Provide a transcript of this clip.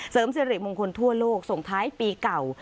เสริมสิริมงคลทั่วโลกส่งท้ายปีเก่า